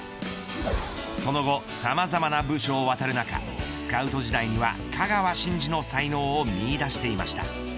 その後、さまざまな部署を渡る中スカウト時代には香川真司の才能を見いだしていました。